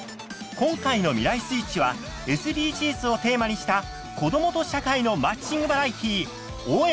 今回の「未来スイッチ」はＳＤＧｓをテーマにした子どもと社会のマッチングバラエティー「応援！